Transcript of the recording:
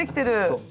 そう。